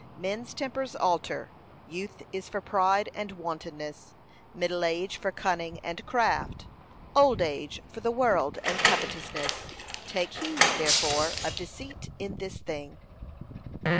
Men's tempers alter. Youth is for pride and wantonness; middle age for cunning and craft; old age for the world and covetousness. Take heed, therefore, of deceit in this thing.